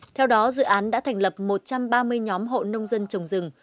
theo đó dự án đã thành lập một trăm ba mươi nhóm hộ nông dân trồng rừng